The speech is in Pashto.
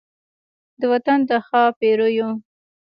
د وطن د ښا پیریو